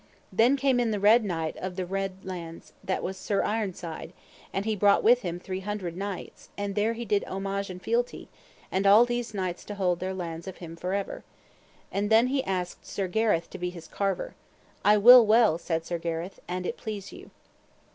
Then came in the Red Knight of the Red Launds, that was Sir Ironside, and he brought with him three hundred knights, and there he did homage and fealty, and all these knights to hold their lands of him for ever. And then he asked Sir Gareth to be his carver. I will well, said Sir Gareth, an it please you.